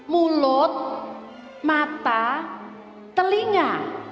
mulut mata telinga